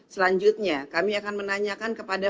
selanjutnya kami akan menanyakan kepada